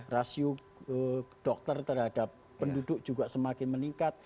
rasio dokter terhadap penduduk juga semakin meningkat